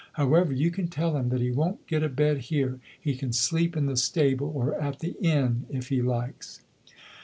However, you can tell him that he won't get a bed here; he can sleep in the stable or at the inn if he likes."